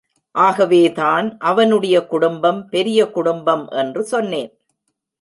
ஆகவேதான் அவனுடைய குடும்பம் பெரிய குடும்பம் என்று சொன்னேன்.